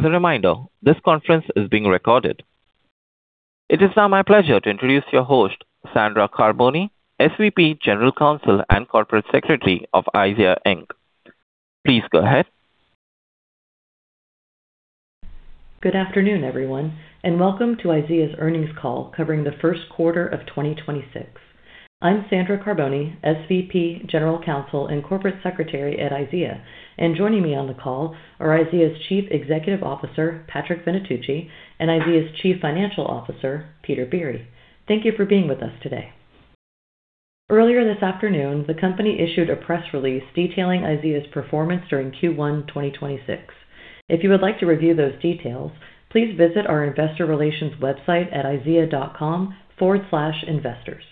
As a reminder, this conference is being recorded. It is now my pleasure to introduce your host, Sandra Carbone, SVP, General Counsel, and Corporate Secretary of IZEA, Inc. Please go ahead. Good afternoon, everyone, and welcome to IZEA's earnings call covering the first quarter of 2026. I'm Sandra Carbone, SVP, General Counsel, and Corporate Secretary at IZEA, and joining me on the call are IZEA's Chief Executive Officer, Patrick Venetucci, and IZEA's Chief Financial Officer, Peter Biere. Thank you for being with us today. Earlier this afternoon, the company issued a press release detailing IZEA's performance during Q1 2026. If you would like to review those details, please visit our investor relations website at izea.com/investors.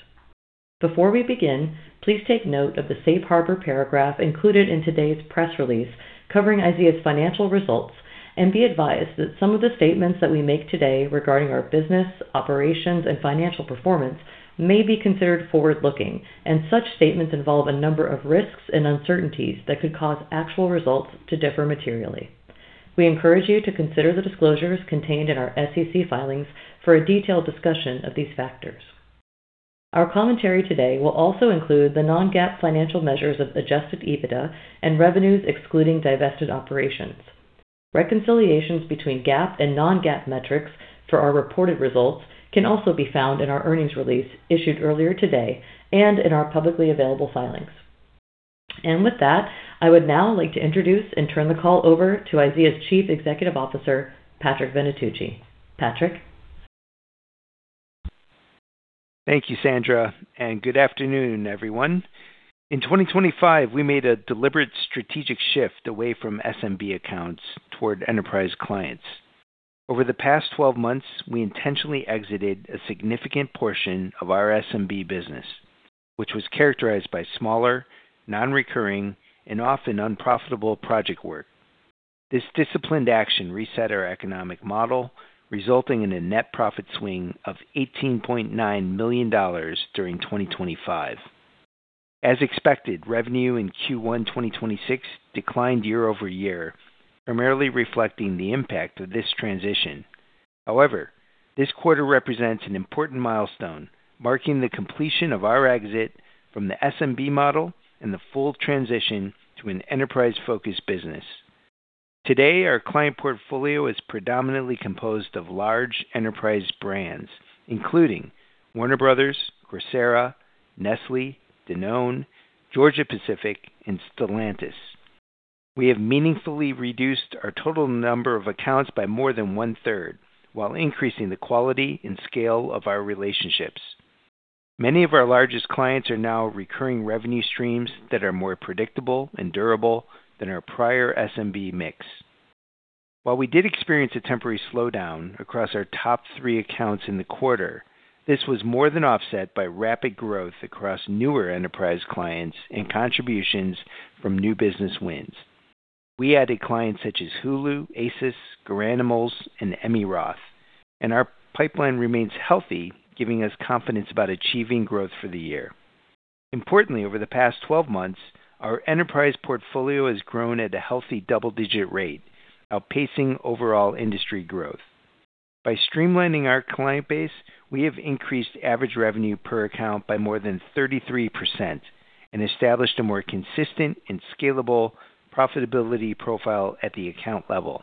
Before we begin, please take note of the Safe Harbor paragraph included in today's press release covering IZEA's financial results and be advised that some of the statements that we make today regarding our business, operations, and financial performance may be considered forward-looking, and such statements involve a number of risks and uncertainties that could cause actual results to differ materially. We encourage you to consider the disclosures contained in our SEC filings for a detailed discussion of these factors. Our commentary today will also include the non-GAAP financial measures of adjusted EBITDA and revenues excluding divested operations. Reconciliations between GAAP and non-GAAP metrics for our reported results can also be found in our earnings release issued earlier today and in our publicly available filings. With that, I would now like to introduce and turn the call over to IZEA's Chief Executive Officer, Patrick Venetucci. Patrick? Thank you, Sandra, and good afternoon, everyone. In 2025, we made a deliberate strategic shift away from SMB accounts toward enterprise clients. Over the past 12 months, we intentionally exited a significant portion of our SMB business, which was characterized by smaller, non-recurring, and often unprofitable project work. This disciplined action reset our economic model, resulting in a net profit swing of $18.9 million during 2025. As expected, revenue in Q1 2026 declined year-over-year, primarily reflecting the impact of this transition. However, this quarter represents an important milestone, marking the completion of our exit from the SMB model and the full transition to an enterprise-focused business. Today, our client portfolio is predominantly composed of large enterprise brands, including Warner Brothers., Coursera, Nestlé, Danone, Georgia-Pacific, and Stellantis. We have meaningfully reduced our total number of accounts by more than 1/3 while increasing the quality and scale of our relationships. Many of our largest clients are now recurring revenue streams that are more predictable and durable than our prior SMB mix. While we did experience a temporary slowdown across our top three accounts in the quarter, this was more than offset by rapid growth across newer enterprise clients and contributions from new business wins. We added clients such as Hulu, ASICS, Garanimals, and Emmi Roth, and our pipeline remains healthy, giving us confidence about achieving growth for the year. Importantly, over the past 12 months, our enterprise portfolio has grown at a healthy double-digit rate, outpacing overall industry growth. By streamlining our client base, we have increased average revenue per account by more than 33% and established a more consistent and scalable profitability profile at the account level.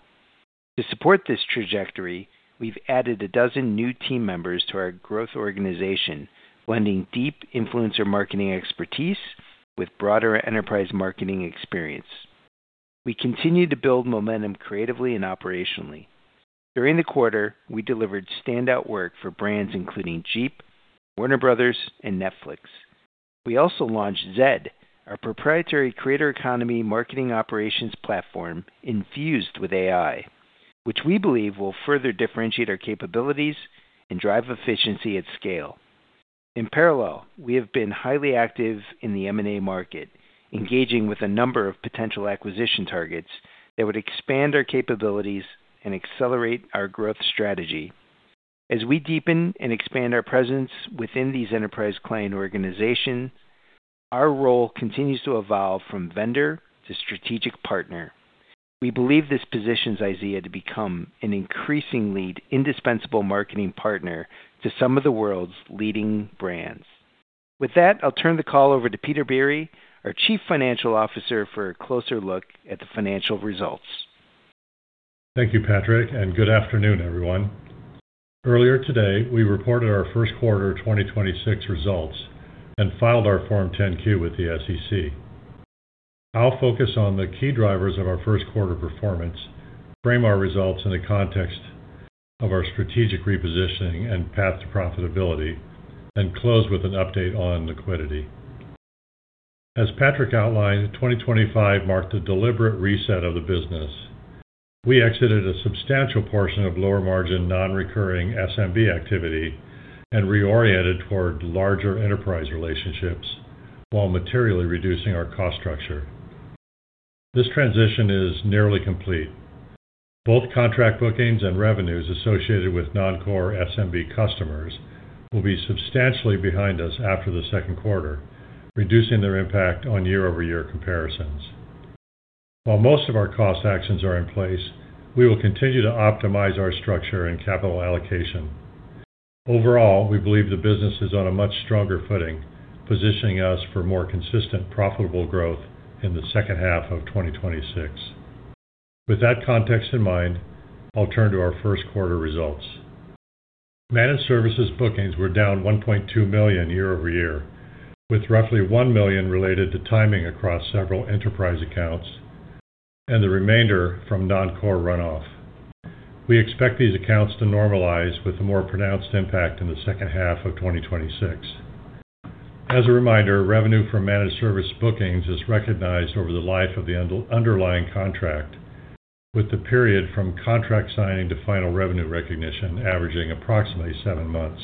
To support this trajectory, we've added a dozen new team members to our growth organization, blending deep influencer marketing expertise with broader enterprise marketing experience. We continue to build momentum creatively and operationally. During the quarter, we delivered standout work for brands including Jeep, Warner Brothers., and Netflix. We also launched ZED, our proprietary creator economy marketing operations platform infused with AI, which we believe will further differentiate our capabilities and drive efficiency at scale. In parallel, we have been highly active in the M&A market, engaging with a number of potential acquisition targets that would expand our capabilities and accelerate our growth strategy. As we deepen and expand our presence within these enterprise client organizations, our role continues to evolve from vendor to strategic partner. We believe this positions IZEA to become an increasingly indispensable marketing partner to some of the world's leading brands. With that, I'll turn the call over to Peter Biere, our Chief Financial Officer, for a closer look at the financial results. Thank you, Patrick, and good afternoon, everyone. Earlier today, we reported our first quarter 2026 results and filed our Form 10-Q with the SEC. I'll focus on the key drivers of our first quarter performance, frame our results in the context of our strategic repositioning and path to profitability, and close with an update on liquidity. As Patrick outlined, 2025 marked a deliberate reset of the business. We exited a substantial portion of lower-margin, non-recurring SMB activity and reoriented toward larger enterprise relationships while materially reducing our cost structure. This transition is nearly complete. Both contract bookings and revenues associated with non-core SMB customers will be substantially behind us after the second quarter, reducing their impact on year-over-year comparisons. While most of our cost actions are in place, we will continue to optimize our structure and capital allocation. Overall, we believe the business is on a much stronger footing, positioning us for more consistent profitable growth in the second half of 2026. With that context in mind, I'll turn to our first quarter results. Managed Services bookings were down $1.2 million year-over-year, with roughly $1 million related to timing across several enterprise accounts and the remainder from non-core runoff. We expect these accounts to normalize with a more pronounced impact in the second half of 2026. As a reminder, revenue for Managed Services bookings is recognized over the life of the underlying contract, with the period from contract signing to final revenue recognition averaging approximately seven months.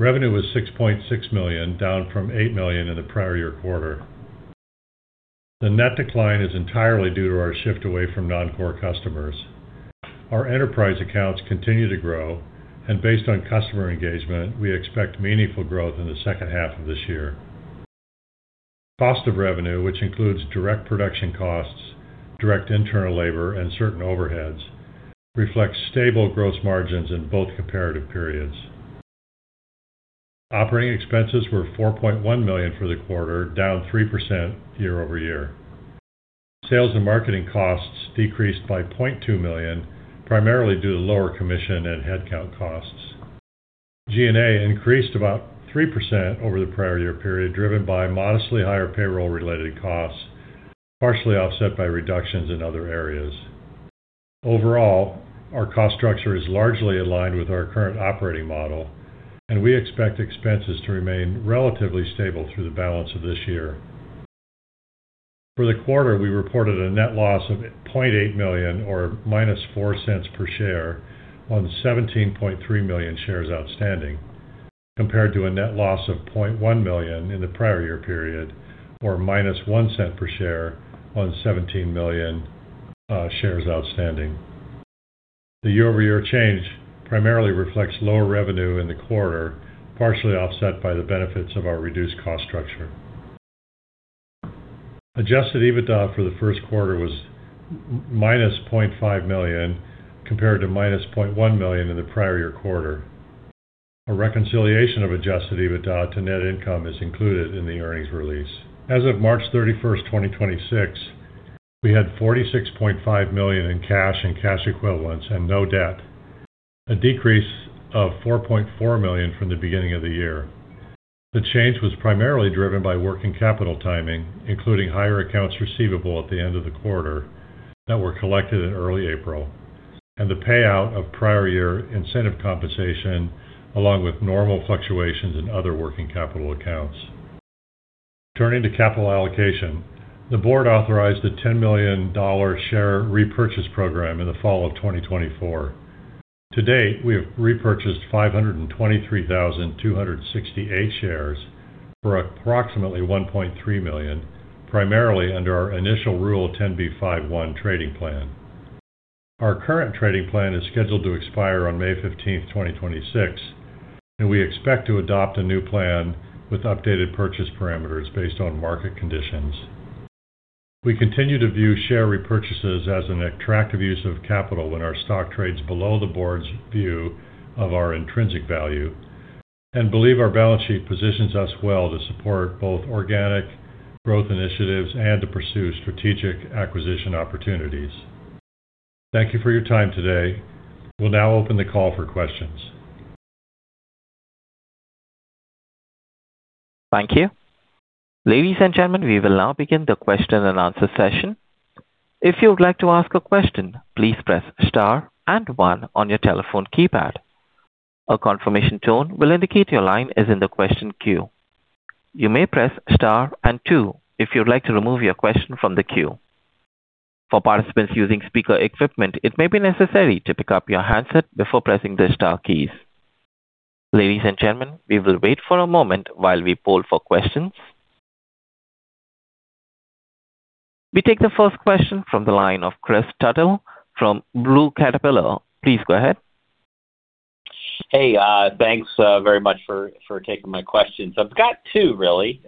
Revenue was $6.6 million, down from $8 million in the prior year quarter. The net decline is entirely due to our shift away from non-core customers. Our enterprise accounts continue to grow, and based on customer engagement, we expect meaningful growth in the second half of this year. Cost of revenue, which includes direct production costs, direct internal labor, and certain overheads, reflects stable gross margins in both comparative periods. Operating expenses were $4.1 million for the quarter, down 3% year-over-year. Sales and marketing costs decreased by $0.2 million, primarily due to lower commission and headcount costs. G&A increased about 3% over the prior year period, driven by modestly higher payroll-related costs, partially offset by reductions in other areas. Overall, our cost structure is largely aligned with our current operating model, and we expect expenses to remain relatively stable through the balance of this year. For the quarter, we reported a net loss of $0.8 million or -$0.04 per share on 17.3 million shares outstanding, compared to a net loss of $0.1 million in the prior year period, or -$0.01 per share on 17 million shares outstanding. The year-over-year change primarily reflects lower revenue in the quarter, partially offset by the benefits of our reduced cost structure. Adjusted EBITDA for the first quarter was -$0.5 million compared to -$0.1 million in the prior year quarter. A reconciliation of Adjusted EBITDA to net income is included in the earnings release. As of March 31, 2026, we had $46.5 million in cash and cash equivalents and no debt, a decrease of $4.4 million from the beginning of the year. The change was primarily driven by working capital timing, including higher accounts receivable at the end of the quarter that were collected in early April, and the payout of prior year incentive compensation, along with normal fluctuations in other working capital accounts. Turning to capital allocation, the board authorized a $10 million share repurchase program in the fall of 2024. To date, we have repurchased 523,268 shares for approximately $1.3 million, primarily under our initial Rule 10b5-1 trading plan. Our current trading plan is scheduled to expire on May 15th, 2026, and we expect to adopt a new plan with updated purchase parameters based on market conditions. We continue to view share repurchases as an attractive use of capital when our stock trades below the board's view of our intrinsic value and believe our balance sheet positions us well to support both organic growth initiatives and to pursue strategic acquisition opportunities. Thank you for your time today. We'll now open the call for questions. Thank you. Ladies and gentlemen, we will now begin the question and answer session. If you'd like to ask a question, please press star and one on your telephone keypad. A confirmation tone will indicated your line is in the question queue. You may press star and two if you'd like to remove your question from the queue. For participants using speaker equipment, it may be necessary to pick up your handset before pressing the star keys. Ladies and gentlemen, we'll wait for a moment while we poll for questions. We take the first question from the line of Kris Tuttle from Blue Caterpillar. Please go ahead. Hey, thanks very much for taking my questions. I've got two really.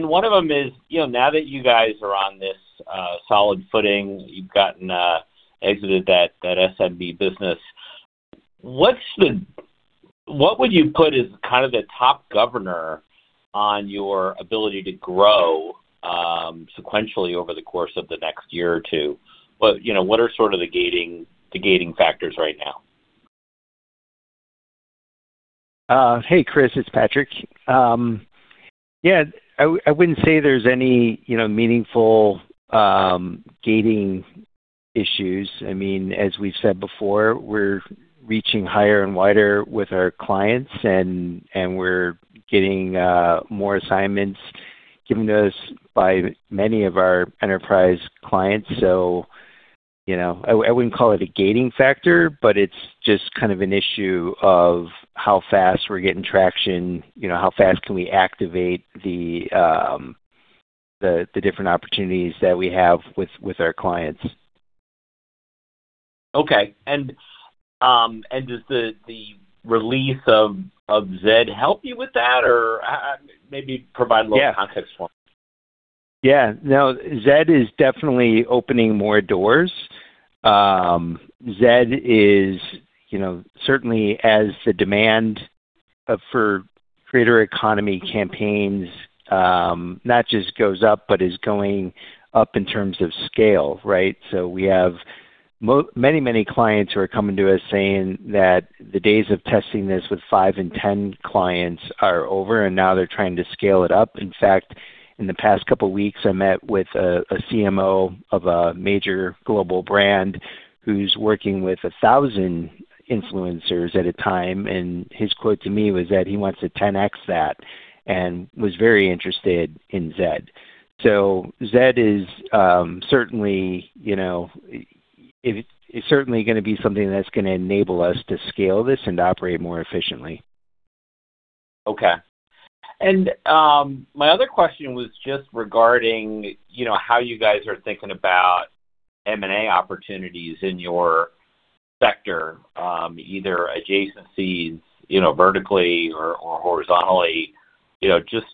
One of them is, you know, now that you guys are on this solid footing, you've gotten exited that SMB business, what would you put as kind of the top governor on your ability to grow sequentially over the course of the next year or two? You know, what are sort of the gating factors right now? Hey, Kris. It's Patrick. Yeah, I wouldn't say there's any, you know, meaningful gating issues. I mean, as we've said before, we're reaching higher and wider with our clients, and we're getting more assignments given to us by many of our enterprise clients. You know, I wouldn't call it a gating factor, but it's just kind of an issue of how fast we're getting traction, you know, how fast can we activate the. The different opportunities that we have with our clients. Okay. Does the release of ZED help you with that? Yeah Maybe provide a little context for me. Yeah. No, ZED is definitely opening more doors. ZED is, you know, certainly as the demand for creator economy campaigns, not just goes up, but is going up in terms of scale, right? We have many, many clients who are coming to us saying that the days of testing this with five and 10 clients are over, and now they're trying to scale it up. In fact, in the past couple of weeks, I met with a CMO of a major global brand who's working with 1,000 influencers at a time, and his quote to me was that he wants to 10x that and was very interested in ZED. ZED is certainly, it's certainly gonna be something that's gonna enable us to scale this and operate more efficiently. Okay. My other question was just regarding, you know, how you guys are thinking about M&A opportunities in your sector, either adjacencies, you know, vertically or horizontally. Just,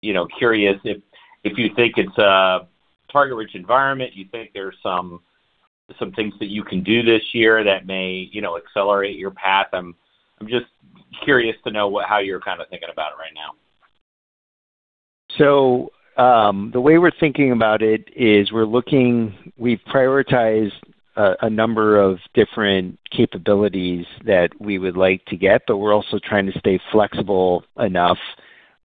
you know, curious if you think it's a target-rich environment, you think there's some things that you can do this year that may, you know, accelerate your path. I'm just curious to know how you're kind of thinking about it right now. The way we're thinking about it is we've prioritized a number of different capabilities that we would like to get, but we're also trying to stay flexible enough,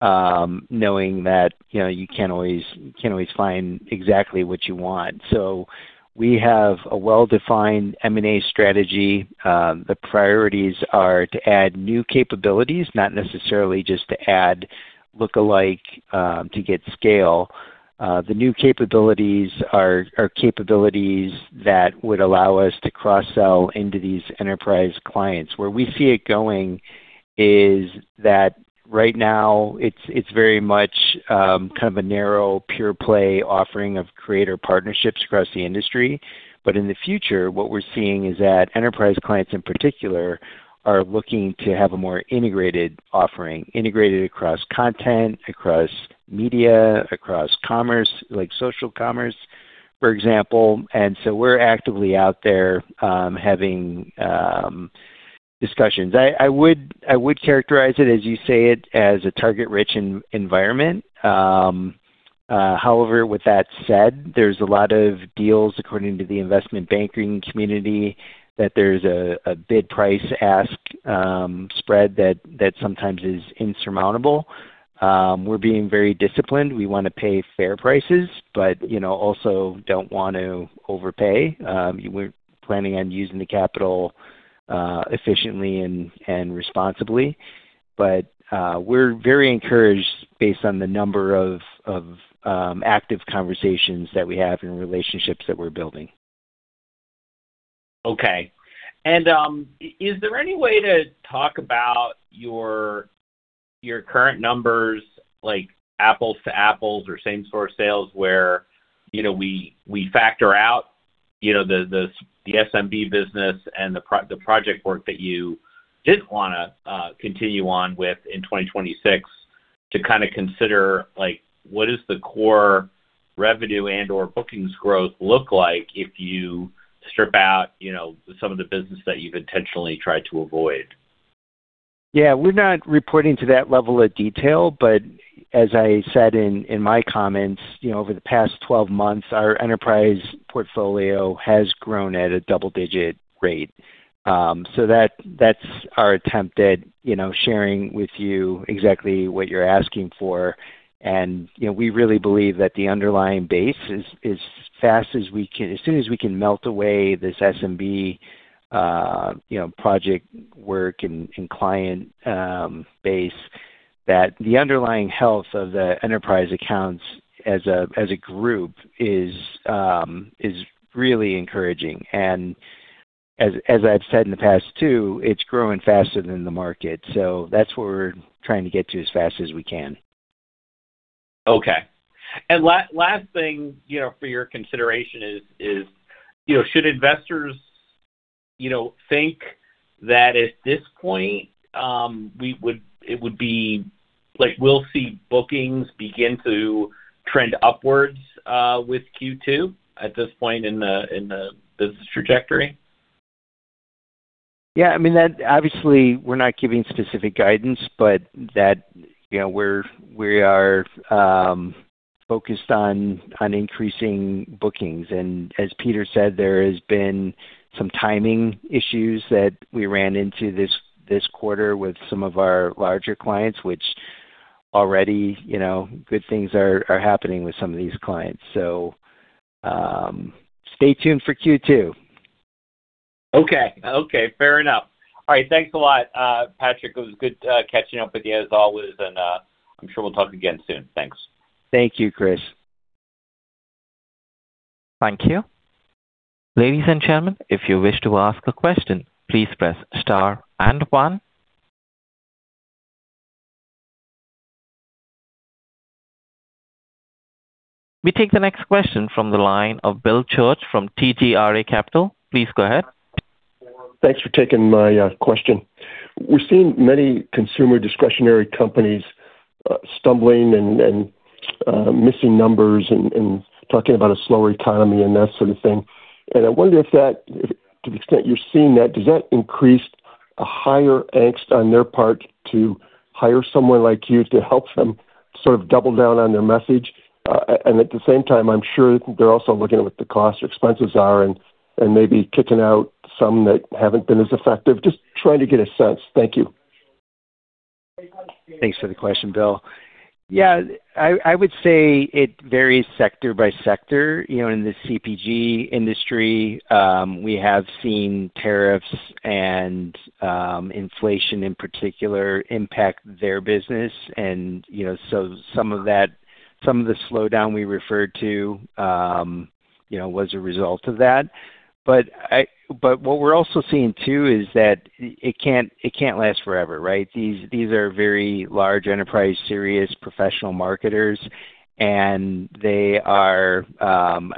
knowing that, you know, you can't always find exactly what you want. We have a well-defined M&A strategy. The priorities are to add new capabilities, not necessarily just to add look-alike, to get scale. The new capabilities are capabilities that would allow us to cross-sell into these enterprise clients. Where we see it going is that right now it's very much kind of a narrow pure play offering of creator partnerships across the industry. In the future, what we're seeing is that enterprise clients in particular are looking to have a more integrated offering, integrated across content, across media, across commerce, like social commerce, for example. We're actively out there having discussions. I would characterize it as you say it, as a target-rich environment. However, with that said, there's a lot of deals, according to the investment banking community, that there's a bid price ask spread that sometimes is insurmountable. We're being very disciplined. We wanna pay fair prices, but, you know, also don't want to overpay. We're planning on using the capital efficiently and responsibly. We're very encouraged based on the number of active conversations that we have and relationships that we're building. Okay. Is there any way to talk about your current numbers, like apples to apples or same store sales where, you know, we factor out, you know, the SMB business and the project work that you didn't wanna continue on with in 2026 to kinda consider, like what is the core revenue and/or bookings growth look like if you strip out, you know, some of the business that you've intentionally tried to avoid? Yeah. We're not reporting to that level of detail, but as I said in my comments, you know, over the past 12 months, our enterprise portfolio has grown at a double-digit rate. That's our attempt at, you know, sharing with you exactly what you're asking for. You know, we really believe that the underlying base is as soon as we can melt away this SMB, you know, project work and client base, that the underlying health of the enterprise accounts as a group is really encouraging. As I've said in the past too, it's growing faster than the market. That's where we're trying to get to as fast as we can. Okay. Last thing, you know, for your consideration is, you know, should investors, you know, think that at this point, we'll see bookings begin to trend upwards with Q2 at this point in the business trajectory? Yeah, I mean, that obviously we're not giving specific guidance, but that, you know, we are focused on increasing bookings. As Peter said, there has been some timing issues that we ran into this quarter with some of our larger clients, which already, you know, good things are happening with some of these clients. Stay tuned for Q2. Okay, fair enough. All right. Thanks a lot, Patrick. It was good, catching up with you as always, and I'm sure we'll talk again soon. Thanks. Thank you, Kris. Thank you. Ladies and gentlemen. If you wish to ask a question, please press star and one. We take the next question from the line of Bill Church from TGRA Capital. Please go ahead. Thanks for taking my question. We're seeing many consumer discretionary companies stumbling and missing numbers and talking about a slower economy and that sort of thing. I wonder if that, to the extent you're seeing that, does that increase a higher angst on their part to hire someone like you to help them sort of double down on their message? At the same time, I'm sure they're also looking at what the cost or expenses are and maybe kicking out some that haven't been as effective. Just trying to get a sense. Thank you. Thanks for the question, Bill. I would say it varies sector by sector. You know, in the CPG industry, we have seen tariffs and inflation in particular impact their business. You know, some of the slowdown we referred to, you know, was a result of that. What we're also seeing too is that it can't last forever, right? These are very large enterprise, serious professional marketers, they are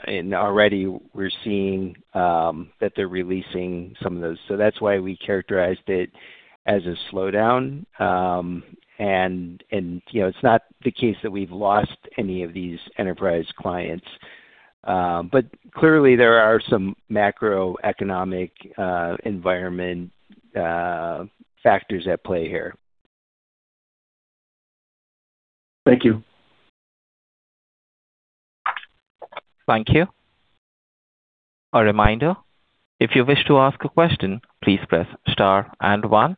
and already we're seeing that they're releasing some of those. That's why we characterized it as a slowdown. You know, it's not the case that we've lost any of these enterprise clients. Clearly there are some macroeconomic environment factors at play here. Thank you. Thank you. A reminder, if you wish to ask a question, please press star and one.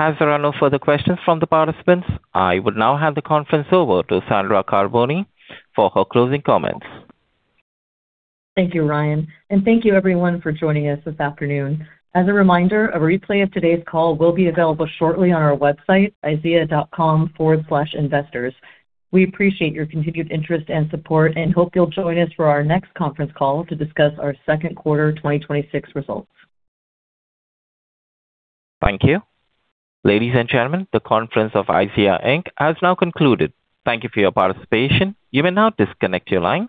As there are no further questions from the participants, I will now hand the conference over to Sandra Carbone for her closing comments. Thank you, Ryan, and thank you everyone for joining us this afternoon. As a reminder, a replay of today's call will be available shortly on our website, izea.com/investors. We appreciate your continued interest and support and hope you'll join us for our next conference call to discuss our second quarter 2026 results. Thank you. Ladies and gentlemen, the conference of IZEA, Inc. has now concluded. Than you for your participation. You may now disconnect your line.